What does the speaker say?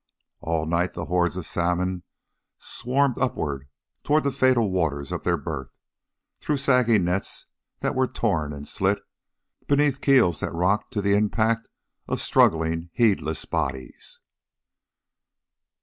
All night the hordes of salmon swarmed upward toward the fatal waters of their birth, through sagging nets that were torn and slit; beneath keels that rocked to the impact of struggling, heedless bodies.